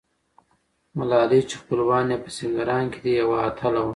ملالۍ چې خپلوان یې په سینګران کې دي، یوه اتله وه.